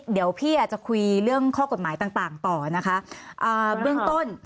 เดี๋ยวพี่อาจจะคุยเรื่องข้อกฎหมายต่างต่างต่อนะคะอ่าเบื้องต้น